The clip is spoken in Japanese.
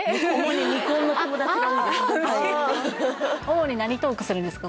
ああ主に何トークするんですか？